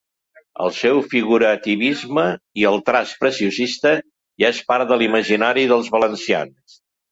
El seu figurativisme i el traç preciosista ja és part de l'imaginari dels valencians.